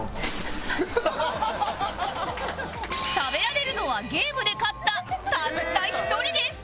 食べられるのはゲームで勝ったたった１人です